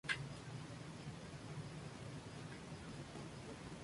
La sentencia fue ratificada por Justiniano.